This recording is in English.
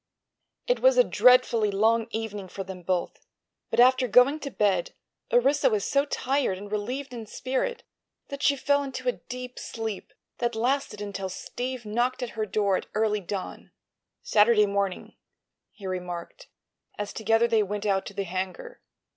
It was a dreadfully long evening for them both, but after going to bed Orissa was so tired and relieved in spirit that she fell into a deep sleep that lasted until Steve knocked at her door at early dawn. "Saturday morning," he remarked, as together they went out to the hangar.